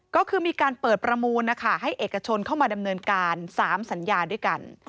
ก็คือมีการเปิดประมูลนะคะให้เอกชนเข้ามาดำเนินการ๓สัญญาด้วยกัน